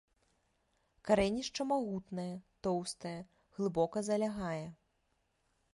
Карэнішча магутнае, тоўстае, глыбока залягае.